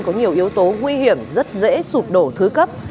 có nhiều yếu tố nguy hiểm rất dễ sụp đổ thứ cấp